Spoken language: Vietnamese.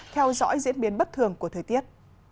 theo dõi diễn biến bất thường của thời tiết